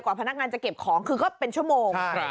กว่าพนักงานจะเก็บของคือก็เป็นชั่วโมงใช่ใช่